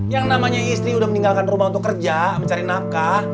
yang namanya istri sudah meninggalkan rumah untuk kerja mencari nafkah